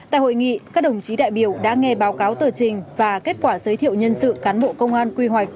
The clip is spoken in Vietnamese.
tại hội nghị các đồng chí đại biểu đã nghe báo cáo tờ trình và kết quả giới thiệu nhân sự cán bộ công an quy hoạch